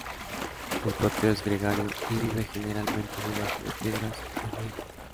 El proteo es gregario, y vive generalmente debajo de piedras o en grietas.